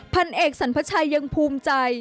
พันเอกสันประชายังภูมิใจ